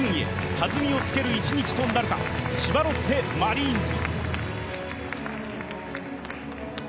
はずみをつける一日となるか、千葉ロッテマリーンズ。